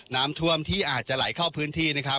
น้ำท่วมที่อาจจะไหลเข้าพื้นที่นะครับ